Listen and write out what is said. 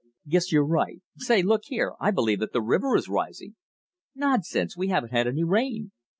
"Guess you're right. Say, look here, I believe that the river is rising!" "Nonsense, we haven't had any rain."